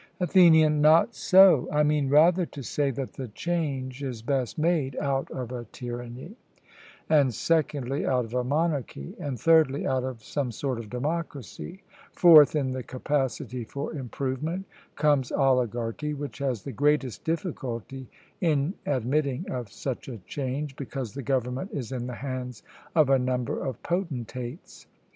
ATHENIAN: Not so; I mean rather to say that the change is best made out of a tyranny; and secondly, out of a monarchy; and thirdly, out of some sort of democracy: fourth, in the capacity for improvement, comes oligarchy, which has the greatest difficulty in admitting of such a change, because the government is in the hands of a number of potentates.